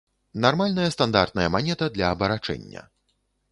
Нармальная стандартная манета для абарачэння.